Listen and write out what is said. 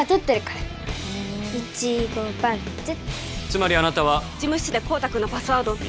つまりあなたは事務室で孝多君のパスワードを